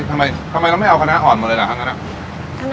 ทำไมทำไมเราไม่เอาคณะอ่อนมาเลยล่ะครั้งนั้นอ่ะ